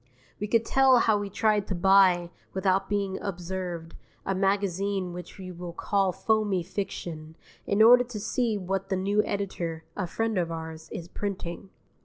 We could tell how we tried to buy, without being observed, a magazine which we will call Foamy Fiction, in order to see what the new editor (a friend of ours) is printing.